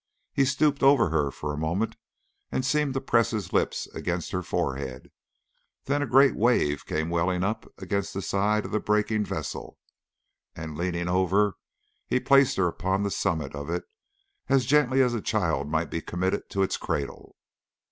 He stooped over her for a moment and seemed to press his lips against her forehead. Then a great wave came welling up against the side of the breaking vessel, and leaning over he placed her upon the summit of it as gently as a child might be committed to its cradle.